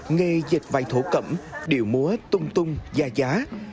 nghề dịch vải thổ cẩm điệu múa tung tung gia giá